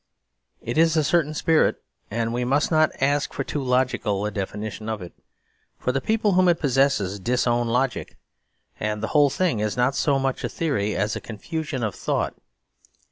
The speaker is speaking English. It is a certain spirit; and we must not ask for too logical a definition of it, for the people whom it possesses disown logic; and the whole thing is not so much a theory as a confusion of thought.